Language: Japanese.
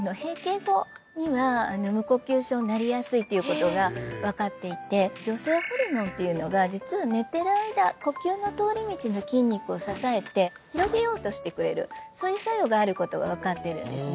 そうなんですということが分かっていて女性ホルモンっていうのが実は寝てる間呼吸の通り道の筋肉を支えて広げようとしてくれるそういう作用があることが分かってるんですね